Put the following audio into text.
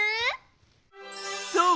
そう！